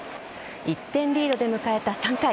１点リードで迎えた３回。